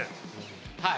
はい。